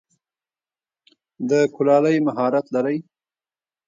د کلالۍ مهارت لری؟